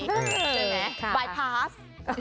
ใช่ไหมบายพาส